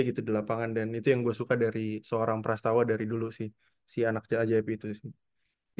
gitu di lapangan dan itu yang gue suka dari seorang prastawa dari dulu sih si anaknya ajaib itu sih